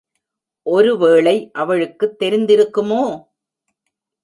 ஒருவேளை அவளுக்குத் தெரிந்திருக்குமோ?